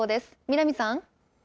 南さん。